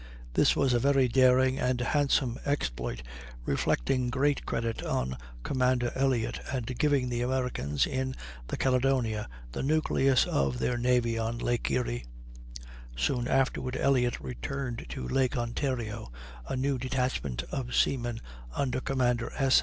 This was a very daring and handsome exploit, reflecting great credit on Commander Elliott, and giving the Americans, in the Caledonia, the nucleus of their navy on Lake Erie; soon afterward Elliott returned to Lake Ontario, a new detachment of seamen under Commander S.